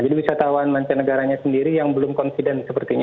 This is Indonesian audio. jadi wisatawan mancanegaranya sendiri yang belum konsiden sepertinya